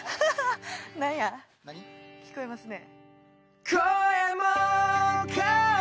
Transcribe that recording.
何や聞こえますね。